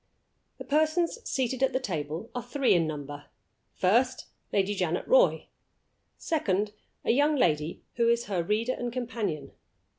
The persons seated at the table are three in number. First, Lady Janet Roy. Second, a young lady who is her reader and companion.